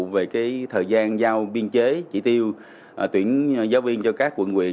về thời gian giao biên chế chỉ tiêu tuyển giáo viên cho các quận quyện